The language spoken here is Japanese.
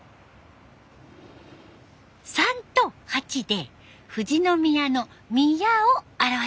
「３」と「８」で富士宮の「宮」を表しました。